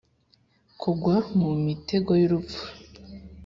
Kugwa Mu Mitego Y Urupfu B